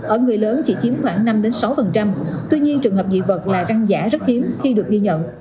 ở người lớn chỉ chiếm khoảng năm sáu tuy nhiên trường hợp dị vật là găng giả rất hiếm khi được ghi nhận